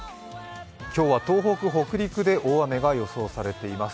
今日は東北・北陸で大雨が予想されています。